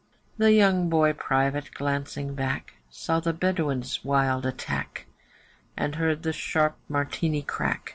The young boy private, glancing back, Saw the Bedouins' wild attack, And heard the sharp Martini crack.